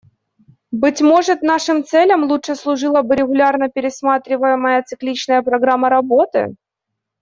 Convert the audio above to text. Быть может, нашим целям лучше служила бы регулярно пересматриваемая цикличная программа работы.